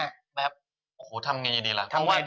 ทำยังไงจะดีแล้ว